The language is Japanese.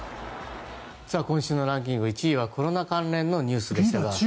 今週のランキング１位はコロナ関連のニュースでしたが。